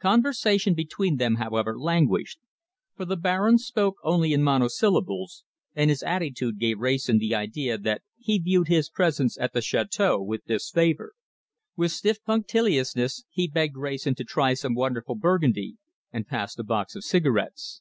Conversation between them, however, languished, for the Baron spoke only in monosyllables, and his attitude gave Wrayson the idea that he viewed his presence at the chateâu with disfavour. With stiff punctiliousness, he begged Wrayson to try some wonderful Burgundy, and passed a box of cigarettes.